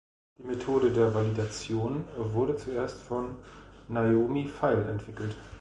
Die Methode der Validation wurde zuerst von Naomi Feil entwickelt.